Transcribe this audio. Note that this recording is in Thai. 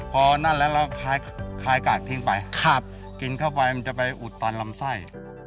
พอนั่นแล้วเราคล้ายกากทิ้งไปกินเข้าไปมันจะไปอุดตอนลำไส้